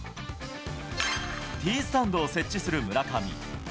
ティースタンドを設置する村上。